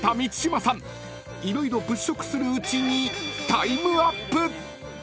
［色々物色するうちにタイムアップ］